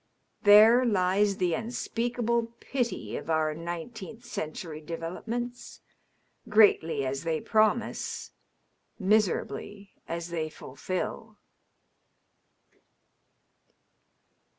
There lies the unspeakable pity of our nineteenth century developments, greatly as they promise, miserably as they fulfil